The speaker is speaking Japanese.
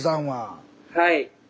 はい。